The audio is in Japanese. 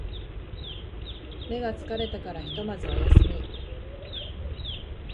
目が疲れたからひとまずお休み